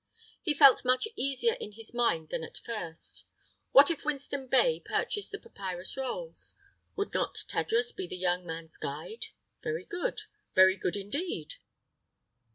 He felt much easier in his mind than at first. What if Winston Bey purchased the papyrus rolls? Would not Tadros be the young man's guide? Very good. Very good, indeed!